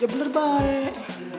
dia bener baik